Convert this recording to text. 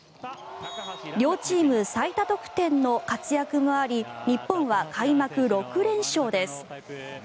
両チーム最多得点の活躍もあり日本は開幕６連勝です。